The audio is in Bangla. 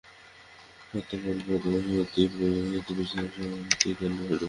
সত্য বলপ্রদ, সত্যই পবিত্রতা-বিধায়ক, সত্যই জ্ঞানস্বরূপ।